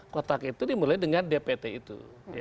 kotak itu dimulai dengan dpt itu